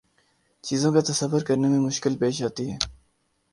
چیزوں کا تصور کرنے میں مشکل پیش آتی ہے